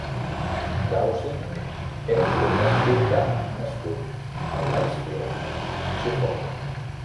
Dowsing era un soldat purità nascut a Laxfield, Suffolk.